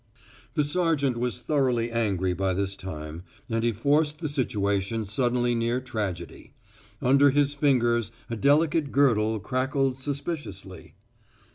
The sergeant was thoroughly angry by this time, and he forced the situation suddenly near tragedy. Under his fingers a delicate girdle crackled suspiciously.